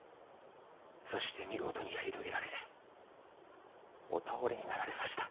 そして見事にやり遂げられお倒れになられました。